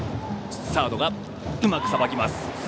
サードがうまくさばきました。